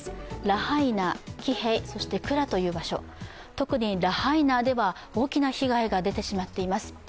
特にラハイナでは大きな被害が出てしまっています。